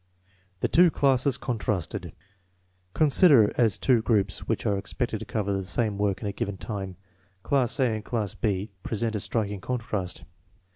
The two classes contrasted. Considered as two groups which are expected to cover the same work in a given time, class A and class B present a striking contrast.